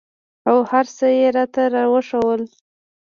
او هرڅه يې راته راوښوول.